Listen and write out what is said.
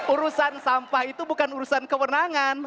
urusan sampah itu bukan urusan kewenangan